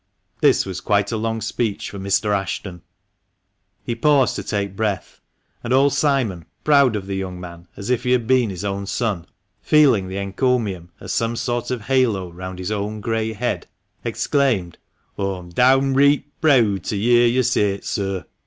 This was quite a long speech for Mr. Ashton ; he paused to take breath ; and old Simon, proud of the young man as if he had been his own son, feeling the encomium as some sort of halo round his own grey head, exclaimed — "Aw'm downreet preawd to yer [hear] yo' say it, sir.